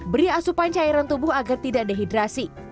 beri asupan cairan tubuh agar tidak dehidrasi